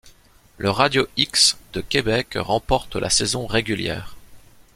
Le Radio X de Québec remporte la saison régulière.